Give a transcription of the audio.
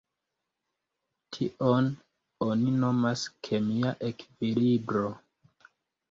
Tion oni nomas kemia ekvilibro.